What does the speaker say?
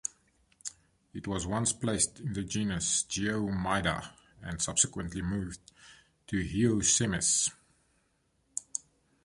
It was once placed in the genus "Geoemyda" and subsequently moved to "Heosemys".